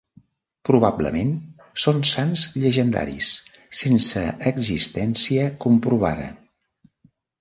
Probablement, són sants llegendaris, sense existència comprovada.